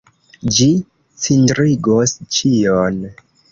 Ĝi cindrigos ĉion.